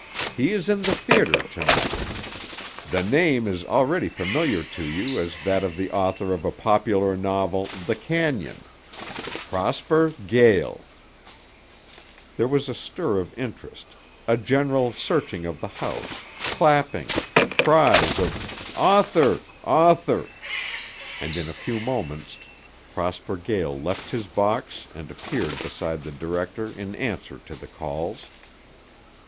He is in the theater to night. The name is already familiar to you as that of the author of a popular novel, 'The Cañon': Prosper Gael." There was a stir of interest, a general searching of the house, clapping, cries of "Author! Author!" and in a few moments Prosper Gael left his box and appeared beside the director in answer to the calls.